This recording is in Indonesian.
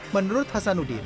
menurut hasan udin